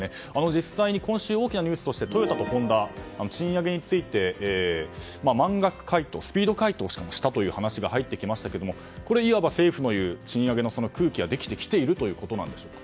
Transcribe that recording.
実際に今週大きなニュースとしてトヨタとホンダ、賃上げについて満額回答スピード回答したという話が入ってきましたがこれはいわば政府の言う賃上げの空気ができてきているということでしょうか。